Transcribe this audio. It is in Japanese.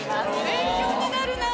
勉強になるな。